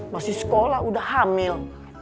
masih sekolah udah hamil